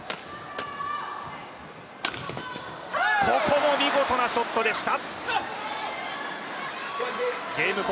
ここも見事なショットでした。